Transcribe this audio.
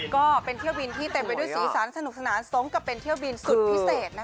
ก็เป็นเที่ยวบินที่เต็มไปด้วยสีสันสนุกสนานสมกับเป็นเที่ยวบินสุดพิเศษ